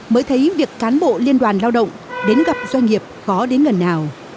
mới thấy việc cán bộ liên đoàn lao động đến gặp doanh nghiệp có đến gần nào